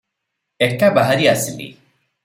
ଏକାବାହାରି ଆସିଲି ।